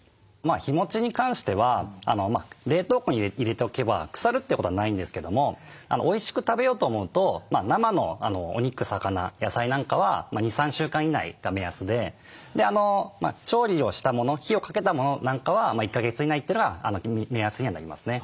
日もちに関しては冷凍庫に入れておけば腐るということはないんですけどもおいしく食べようと思うと生のお肉魚野菜なんかは２３週間以内が目安で調理をしたもの火をかけたものなんかは１か月以内というのが目安にはなりますね。